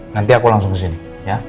nanti aku langsung kesini ya